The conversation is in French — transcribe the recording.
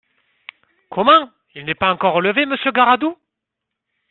Comment ! il n’est pas encore levé, Monsieur Garadoux ?